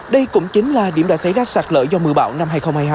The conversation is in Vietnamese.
đây cũng chính là điểm đã xảy ra sạt lỡ do mưa bão năm hai nghìn hai mươi hai